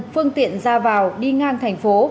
phương tiện ra vào đi ngang thành phố